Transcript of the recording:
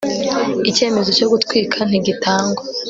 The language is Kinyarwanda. icyemezo cyo gutwika ntigitangwa